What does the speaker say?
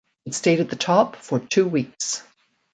It stayed at the top for two weeks.